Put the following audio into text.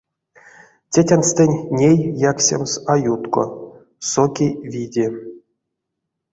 Тетянстэнь ней яксемс а ютко — соки, види.